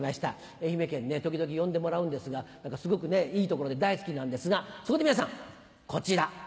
愛媛県ね時々呼んでもらうんですがすごくいい所で大好きなんですがそこで皆さんこちら。